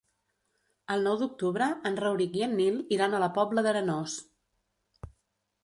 El nou d'octubre en Rauric i en Nil iran a la Pobla d'Arenós.